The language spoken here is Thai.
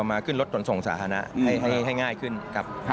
มาขึ้นรถขนส่งสาธารณะให้ง่ายขึ้นครับ